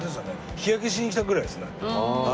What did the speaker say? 日焼けしに来たぐらいですね。ああ。